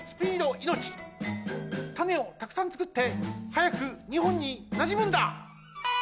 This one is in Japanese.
種をたくさんつくってはやくにほんになじむんだ！